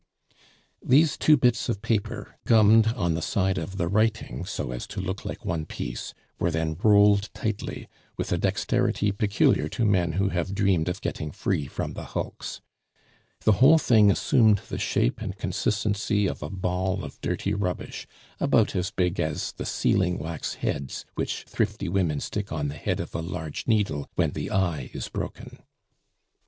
These two bits of paper, gummed on the side of the writing so as to look like one piece, were then rolled tightly, with a dexterity peculiar to men who have dreamed of getting free from the hulks. The whole thing assumed the shape and consistency of a ball of dirty rubbish, about as big as the sealing wax heads which thrifty women stick on the head of a large needle when the eye is broken.